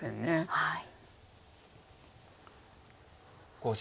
はい。